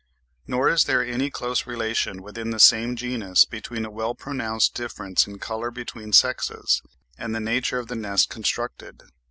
Nor is there any close relation within the same genus between a well pronounced difference in colour between the sexes, and the nature of the nest constructed.